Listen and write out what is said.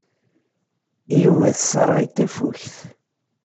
Yuba tesserɣ-it tafukt.